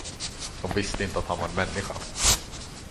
De visste inte att han var en människa.